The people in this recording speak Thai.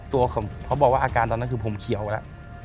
ตัวของเขาบอกว่าอาการตอนนั้นคือผมเขียวอะ